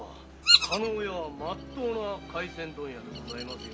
加納屋は真っ当な廻船問屋でございますよ。